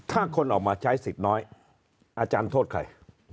ถ้าคนออกมาใช้สิทธิ์น้อยอาจารย์โทษใคร